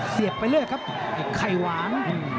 เสียบไปเลยครับไขว้หวาน